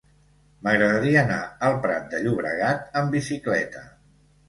M'agradaria anar al Prat de Llobregat amb bicicleta.